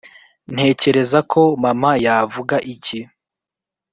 ntekereza ko, mama yavuga iki ...